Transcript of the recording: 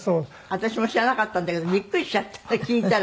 私も知らなかったんだけどビックリしちゃって聞いたら。